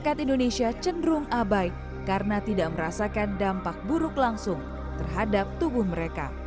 masyarakat indonesia cenderung abai karena tidak merasakan dampak buruk langsung terhadap tubuh mereka